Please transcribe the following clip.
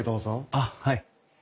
あっはい。